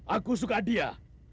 aku suka dia